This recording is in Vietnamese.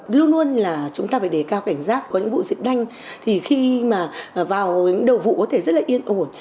luôn luôn là chúng ta phải đề cao cảnh giác có những vụ dịch đanh thì khi mà vào đầu vụ có thể rất là yên ổn